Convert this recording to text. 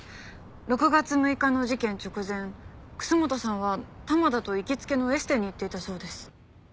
６月６日の事件直前楠本さんは玉田と行きつけのエステに行っていたそうです。